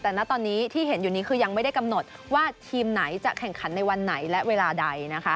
แต่ณตอนนี้ที่เห็นอยู่นี้คือยังไม่ได้กำหนดว่าทีมไหนจะแข่งขันในวันไหนและเวลาใดนะคะ